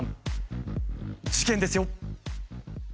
事件ですよ。